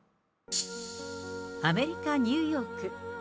アメリカ・ニューヨーク。